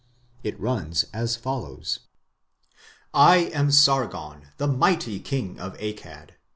It runs as follows: "I am Sargon, the mighty King of Akkad.